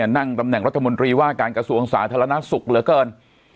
นั่งตำแหน่งรัฐมนตรีว่าการกระทรวงสาธารณสุขเหลือเกิน